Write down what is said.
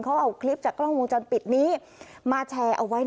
เขาเอาคลิปจากกล้องวงจรปิดนี้มาแชร์เอาไว้